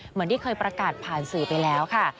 เหมือนที่เคยประกาศผ่านสื่อไปแล้วค่ะ